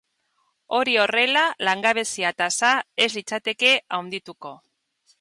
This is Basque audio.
Hori horrela, langabezia-tasa ez litzateke handituko.